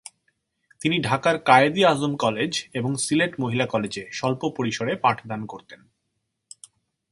তিনি ঢাকার কায়েদ-ই-আজম কলেজ, এবং সিলেট মহিলা কলেজে স্বল্প পরিসরে পাঠদান করতেন।